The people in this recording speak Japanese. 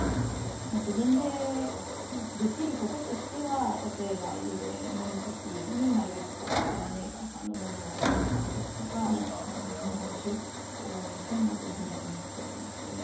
自分でできることとしては例えば、家で飲む時になるべく国内メーカー産のものを飲んだりですとか日本酒を応援したいと思っております。